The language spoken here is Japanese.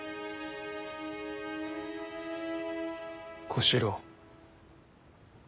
小四郎。